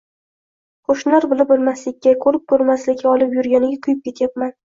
Qo`shnilar bilib bilmaslikka, ko`rib ko`rmaslika olib yurganiga kuyub ketayapman